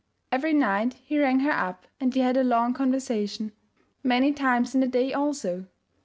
Every night he rang her up and they had a long conversation; many times in the day also.